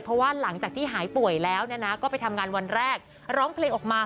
เพราะว่าหลังจากที่หายป่วยแล้วก็ไปทำงานวันแรกร้องเพลงออกมา